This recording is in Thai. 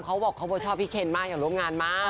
เขาบอกเขาชอบพี่เคนมากอยากร่วมงานมาก